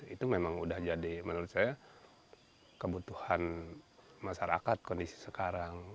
itu memang udah jadi menurut saya kebutuhan masyarakat kondisi sekarang